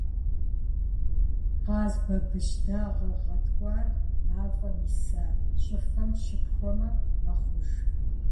Къаз, бабыщ дагъэ гъэткӀуар мафӀэм иса щӀыфэм щыпхуэмэ мэхъуж.